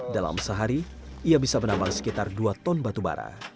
dalam sehari ia bisa menambang sekitar dua ton batubara